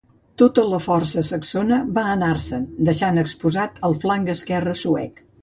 Tota la força saxona va anar-se'n deixant exposat el flanc esquerre suec.